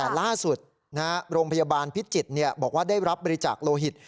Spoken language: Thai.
แต่ล่าสุดโรงพยาบาลพิจิตรบอกว่าได้รับบริจาคโลหิต